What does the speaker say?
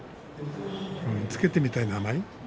付けてみたい名前？